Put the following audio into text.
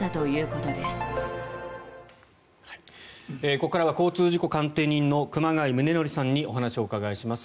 ここからは交通事故鑑定人の熊谷宗徳さんにお伺いします。